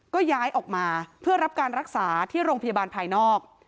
ก็ย้ายออกมาเพื่อรับการรักษาที่โรงพยาบาลภายนอก